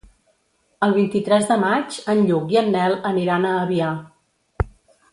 El vint-i-tres de maig en Lluc i en Nel aniran a Avià.